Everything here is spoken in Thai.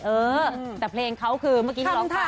เออแต่เพลงเขาคือเมื่อกี้ที่ร้องไป